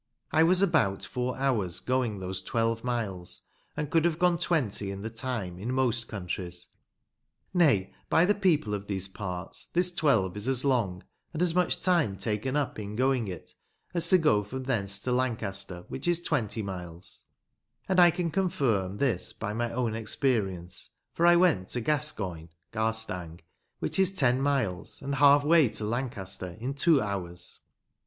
I was about four hours going those twelve miles, and could have gone twenty in the time in most countries nay, by the people of these parts, this twelve is as long, and as much time taken up in going it, as to go from thence to Lancaster, which is twenty miles and I can confirm this by my own experience, for I went to Gascoyne [Garstang], which is ten miles, and half way to Lancaster in two hours.